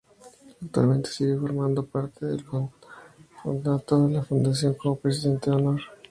Actualmente sigue formando parte del Patronato de la Fundación como Presidente de Honor.